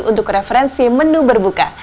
untuk referensi menu berbuka